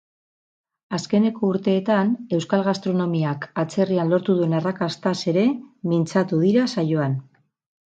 Azkeneko urteetan, euskal gastronomiak atzerrian lortu duen arrakastaz ere mintzatu dira saioan.